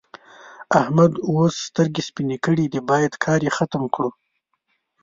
احمد اوس سترګې سپينې کړې دي؛ بايد کار يې ختم کړم.